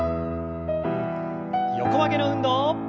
横曲げの運動。